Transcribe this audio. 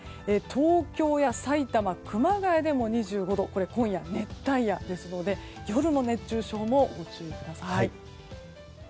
東京やさいたま、熊谷でも２５度今夜、熱帯夜ですので夜の熱中症もご注意ください。